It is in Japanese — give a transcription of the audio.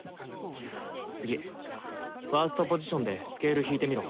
次ファーストポジションでスケール弾いてみろ。